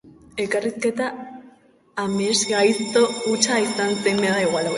Elkarrizketa amesgaizto hutsa izan zen.